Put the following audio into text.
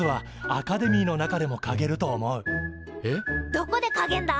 どこでかげんだ？